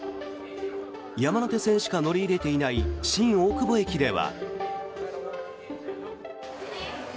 山手線しか乗り入れていない新大久保駅では。